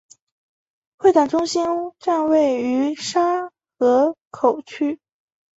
会展中心站位于沙河口区。